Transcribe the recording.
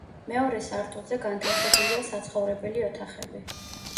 მეორე სართულზე განთავსებულია საცხოვრებელი ოთახები.